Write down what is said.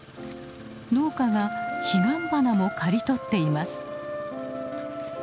農家がヒガンバナも刈り取っています。